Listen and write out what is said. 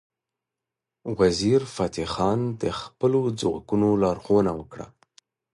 وزیرفتح خان د خپلو ځواکونو لارښوونه وکړه.